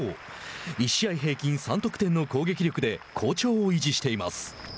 １試合平均３得点の攻撃力で好調を維持しています。